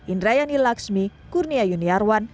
indrayani laksmi kurnia yuniarwan